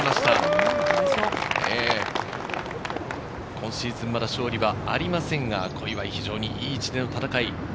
今シーズン、まだ勝利はありませんが、小祝、非常にいい位置での戦い。